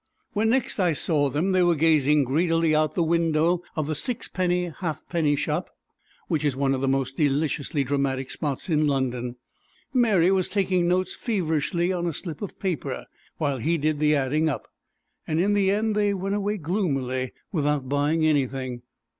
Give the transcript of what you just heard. When next I saw them, they were gazing greedily into the window of the sixpenny halfpenny shop, which is one of the most deliciously dramatic spots in London. Mary was taking notes feverishly on a slip of paper while he did the adding up, and in the end they went away gloomily without buying anything.